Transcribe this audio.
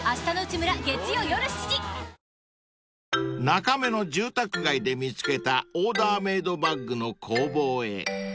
［中目の住宅街で見つけたオーダーメードバッグの工房へ］